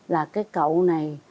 là cái cậu này